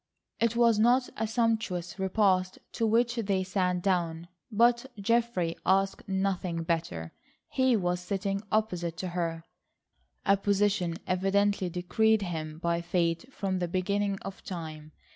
It was not a sumptuous repast to which they sat down, but Geoffrey asked nothing better. He was sitting opposite to her,—a position evidently decreed him by Fate from the beginning of time.